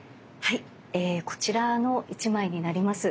こちらの一枚になります。